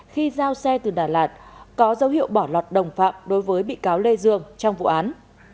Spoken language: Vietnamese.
khi giao xe từ đà lạt có dấu hiệu bỏ lọt đồng phạm đối với bị cáo lê dương trong vụ án